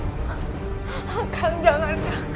akang jangan kak